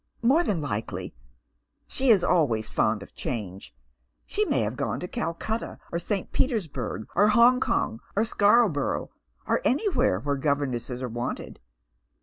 " More than likely. She is always fond of change. She may have gone to Calcutta, or St. Petersburg, or Hong Kong, or Scarborough, or anywhere where governesses are wanted.